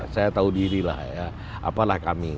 saya tahu diri lah ya apalah kami